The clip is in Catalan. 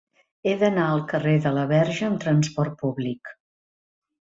He d'anar al carrer de la Verge amb trasport públic.